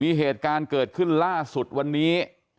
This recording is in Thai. มีเหตุการณ์เกิดขึ้นล่าสุดวันนี้